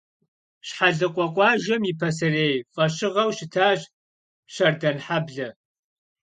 Şhelıkhue khuajjem yi paserêy f'eşığeu şıtaş Şerdanheble.